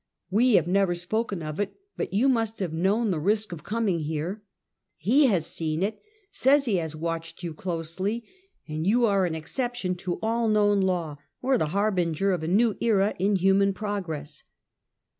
We have never spoken of it, but you must have known the risk of coming here. He has seen it, says he has watched you closely, and you are an exception to all known law, or the harbinger of a new era in human progress."